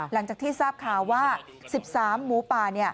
หลังจากที่ทราบข่าวว่า๑๓หมูป่า